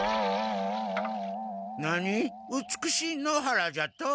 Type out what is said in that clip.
何美しい野原じゃと？